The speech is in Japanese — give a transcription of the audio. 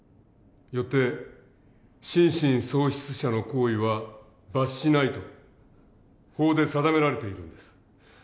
よって「心神喪失者の行為は罰しない」と法で定められているんです。